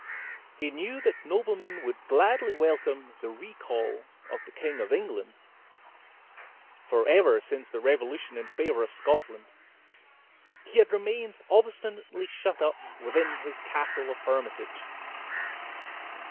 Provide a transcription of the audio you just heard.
He knew that nobleman would gladly welcome the recall of the King of England; for ever since the revolution in favor of Scotland, he had remained obstinately shut up within his castle of Hermitage.